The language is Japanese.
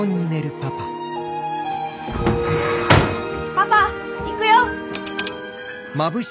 パパ行くよ！